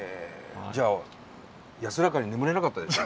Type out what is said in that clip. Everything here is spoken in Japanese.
じゃあ安らかに眠れなかったですね。